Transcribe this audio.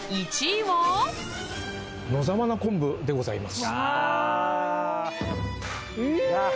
野沢菜昆布でございます。